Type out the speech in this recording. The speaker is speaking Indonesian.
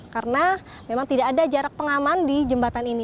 karena memang tidak ada jarak pengaman di jembatan ini